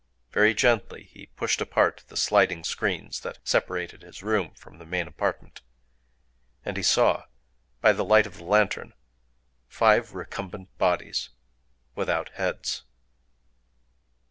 Very gently he pushed apart the sliding screens that separated his room from the main apartment; and he saw, by the light of the lantern, five recumbent bodies—without heads!